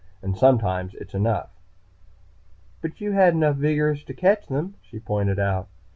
And sometimes it's not enough." "But you had enough vigorish to catch them," she pointed out.